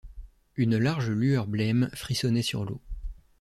Une large lueur blême frissonnait sur l’eau.